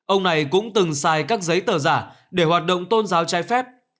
ông này cũng từng xài các giấy tờ giả để hoạt động tôn giáo trái phép